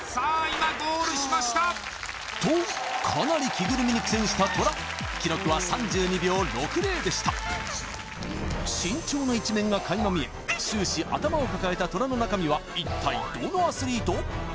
今ゴールしましたとかなり着ぐるみに苦戦したトラ記録は３２秒６０でした慎重な一面が垣間見え終始頭を抱えたトラの中身は一体どのアスリート？